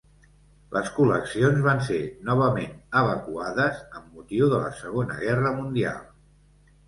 Les col·leccions van ser novament evacuades amb motiu de la Segona Guerra Mundial.